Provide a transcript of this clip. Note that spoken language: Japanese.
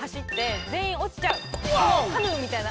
カヌーみたいな。